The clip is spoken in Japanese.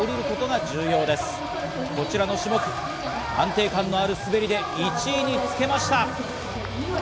こちらの種目、安定感のある滑りで１位につけました。